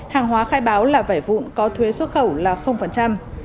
hàng hóa khai báo là vải vụn có thuế xuất khẩu là